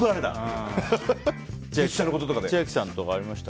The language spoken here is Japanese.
千秋さんとかありました？